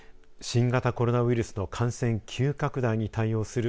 新型コロナウイルスの感染急拡大に対応する